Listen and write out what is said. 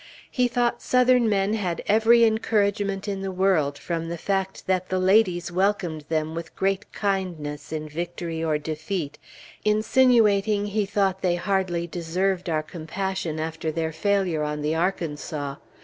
He thought Southern men had every encouragement in the world, from the fact that the ladies welcomed them with great kindness in victory or defeat, insinuating he thought they hardly deserved our compassion after their failure on the Arkansas.